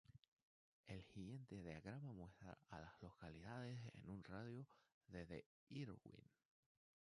El siguiente diagrama muestra a las localidades en un radio de de Irwin.